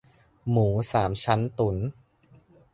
หมูสามชั้นตุ๋น